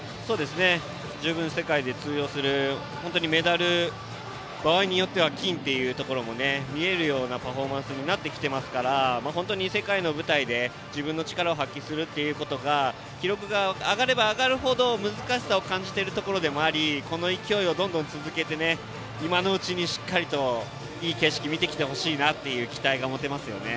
十分世界で通用するメダル、場合によっては金も見えるパフォーマンスになってきていますから本当に世界の舞台で自分の力を発揮するということが記録が上がれば上がるほど難しさを感じているところでもありこの勢いをどんどん続けて今のうちにしっかりといい景色を見てきてほしいという期待が持てますよね。